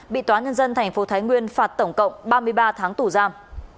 bị tòa nhân dân tp thái nguyên phạt tổng cộng ba mươi ba tháng tù giam